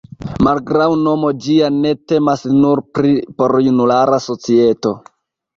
Malgraŭ nomo ĝia ne temas nur pri porjunulara societo.